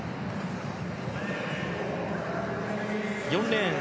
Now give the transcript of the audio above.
３レーン